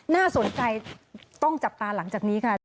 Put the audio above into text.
น่าสนใจต้องจับตาหลังจากนี้ค่ะ